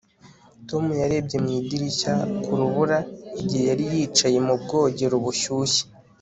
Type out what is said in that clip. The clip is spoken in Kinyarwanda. Tom yarebye mu idirishya ku rubura igihe yari yicaye mu bwogero bushyushye